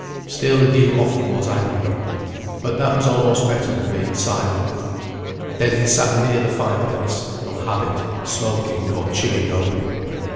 Still, he often was angry. But that was almost better than being silent. Then he sat near the fire place (from habit), smoking, or chewing opium.